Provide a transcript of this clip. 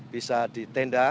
bisa di tenda